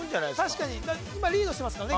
確かに今リードしてますからね